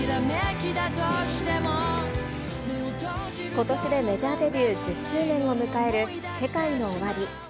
ことしでメジャーデビュー１０周年を迎えるセカイノオワリ。